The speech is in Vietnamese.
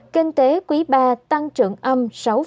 kinh tế quý ba tăng trưởng âm sáu một mươi bảy